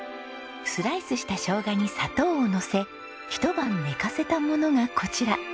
スライスした生姜に砂糖をのせ一晩寝かせたものがこちら。